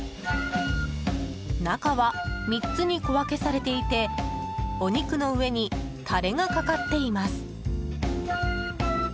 中は、３つに小分けされていてお肉の上にタレがかかっています。